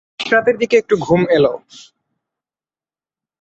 শেষ্যরাতের দিকে একটু ঘুম এল।